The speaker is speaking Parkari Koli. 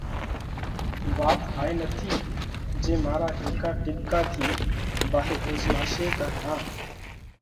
وات هائي نٿِي جي مارا هيڪا ٽٻڪا ٿِي ڀاهي اوزهماشي ڪا نان۔